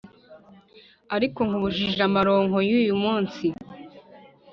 ariko nkubujije amaronko y’uyu munsi,